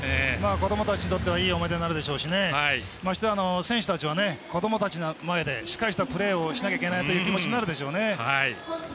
こどもたちにとってはいい思い出になるでしょうし選手たちにとってはこどもたちの前でしっかりしたプレーをしないといけないなという気持ちになるでしょうね。